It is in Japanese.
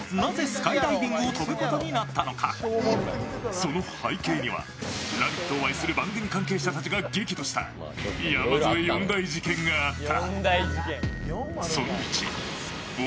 その背景には「ラヴィット！」を愛する番組関係者たちが激怒した山添４大事件があった。